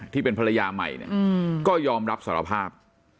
ที่เป็นภรรยาใหม่เนี้ยอืมก็ยอมรับสารภาพ